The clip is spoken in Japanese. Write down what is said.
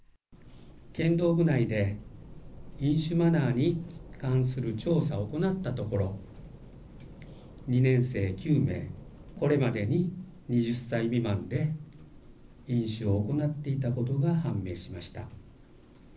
剣道部内で、飲酒マナーに関する調査を行ったところ、２年生９名、これまでに２０歳未満で飲酒を行っていたことが判明しました。